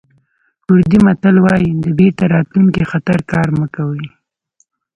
کوردي متل وایي د بېرته راتلونکي خطر کار مه کوئ.